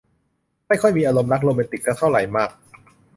ไม่ค่อยมีอารมณ์รักโรแมนติกสักเท่าไหร่มัก